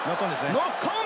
ノックオン。